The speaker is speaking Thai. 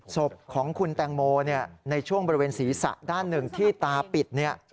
ศพของคุณแตงโมในช่วงบริเวณศีรษะด้านหนึ่งที่ตาปิดเนี่ย